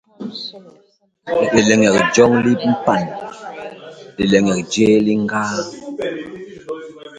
Lileñek joñ li mpan; lileñek jéé li ñgaa;